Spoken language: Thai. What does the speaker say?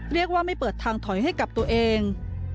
เรียกว่าไม่เปิดทางถอยให้กับตัวเอง